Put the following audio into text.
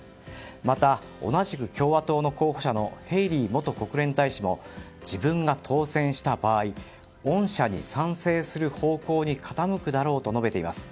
また、同じく共和党の候補者のヘイリー元国連大使も自分が当選した場合恩赦に賛成する方向に傾くだろうと述べています。